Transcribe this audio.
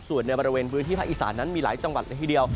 ส่วนในบริเวณพื้นที่ภาคอีสานนั้นมีหลายจังหวัดละทีเดียว